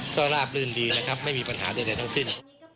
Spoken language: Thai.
ก็ราบลื่นดีนะครับไม่มีปัญหาใดทั้งสิ้น